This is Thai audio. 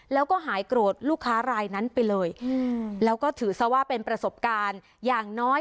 แล้วก็หายโกรธลูกค้ารายนั้นไปเลยแล้วก็ถือซะว่าเป็นประสบการณ์อย่างน้อย